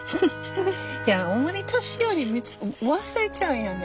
いやホンマに年寄り忘れちゃうんやね。